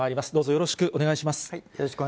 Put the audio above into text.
よろしくお願いします。